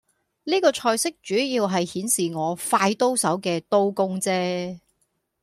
呢個菜式主要係顯示我快刀手嘅刀工啫